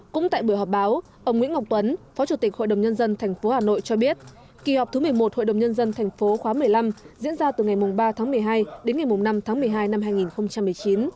cũng tại buổi họp báo ông nguyễn ngọc tuấn phó chủ tịch hội đồng nhân dân tp hà nội cho biết kỳ họp thứ một mươi một hội đồng nhân dân tp khóa một mươi năm diễn ra từ ngày ba tháng một mươi hai đến ngày năm tháng một mươi hai năm hai nghìn một mươi chín